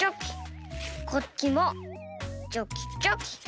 こっちもチョキチョキ。